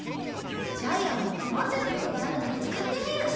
ジャイアンも困ってることがあるなら使ってみる？